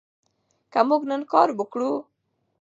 که موږ نن کار وکړو.